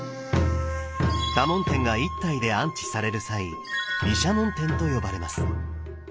多聞天が１体で安置される際毘沙門天と呼ばれます。